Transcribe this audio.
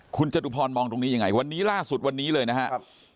คุณจตุพรมองตรงนี้ยังไงวันนี้ล่าสุดวันนี้เลยนะครับ